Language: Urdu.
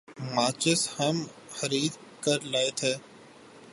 ماچس ہم خرید کر لائے تھے ۔